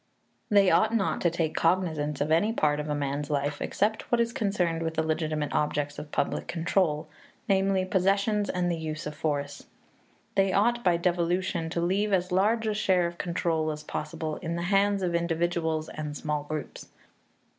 They ought not to take cognizance of any part of a man's life except what is concerned with the legitimate objects of public control, namely, possessions and the use of force. And they ought, by devolution, to leave as large a share of control as possible in the hands of individuals and small groups.